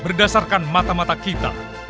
berdasarkan mata mata kita